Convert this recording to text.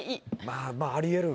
まあまあありえる。